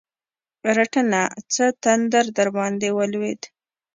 رټنه؛ څه تندر درباندې ولوېد؟!